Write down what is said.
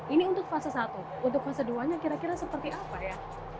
ini untuk fase satu untuk fase dua nya kira kira seperti apa ya